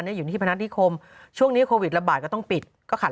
อยู่ที่พนัฐนิคมช่วงนี้โควิดระบาดก็ต้องปิดก็ขาด